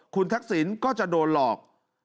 คุณทักษิณก็จะโดนหลอก